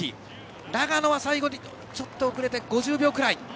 長野は最後にちょっと遅れて５０秒くらい。